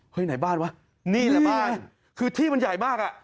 ไหนบ้านวะนี่แหละบ้านคือที่มันใหญ่มากอ่ะ